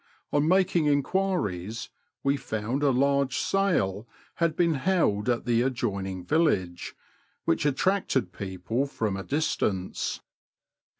On making enquiries we found a large sale had been held at the adjoining village, which attracted people from a distance.